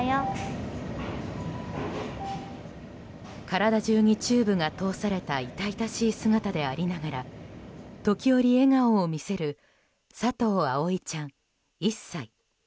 体中にチューブが通された痛々しい姿でありながら時折、笑顔を見せる佐藤葵ちゃん、１歳。